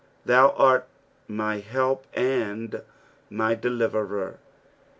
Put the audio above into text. " TAou art my help and my ddiverer."